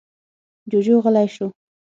جُوجُو غلی شو.